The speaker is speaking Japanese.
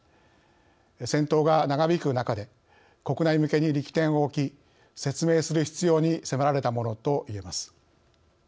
戦闘が長引く中で国内向けに力点を置き説明する必要に迫られたものといえます。